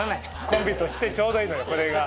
コンビとしてちょうどいいのよこれが。